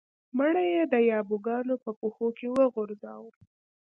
مړی یې د یابو ګانو په پښو کې وغورځاوه.